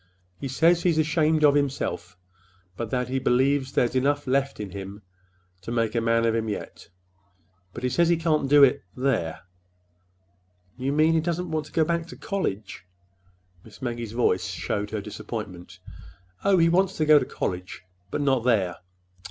He says he's ashamed of himself, but that he believes there's enough left in him to make a man of him yet. But he says he can't do it—there." "You mean—he doesn't want to go back to college?" Miss Maggie's voice showed her disappointment. "Oh, he wants to go to college—but not there."